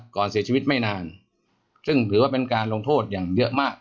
ก่อนเสียชีวิตไม่นานซึ่งถือว่าเป็นการลงโทษอย่างเยอะมาก